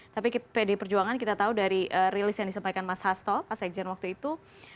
tapi pdi perjuangan kita tahu dari rilis yang disampaikan mas hasto pak sekjen waktu itu